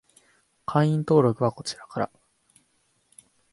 会員登録はこちらから